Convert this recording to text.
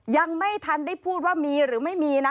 ยังไม่ทันได้พูดว่ามีหรือไม่มีนะ